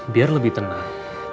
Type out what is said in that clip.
biar lebih tenang